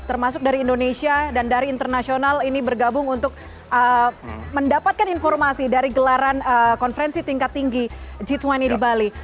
termasuk dari indonesia dan dari internasional ini bergabung untuk mendapatkan informasi dari gelaran konferensi tingkat tinggi g dua puluh di bali